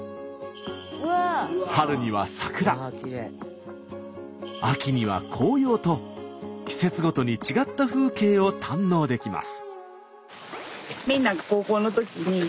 春には桜秋には紅葉と季節ごとに違った風景を堪能できます。